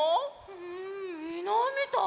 んいないみたい。